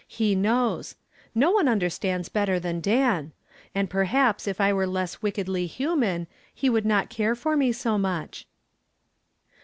He knows. No one understands better than Dan. And perhaps if I were less wickedly human, he would not care for me so much."